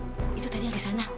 sat itu tadi yang disana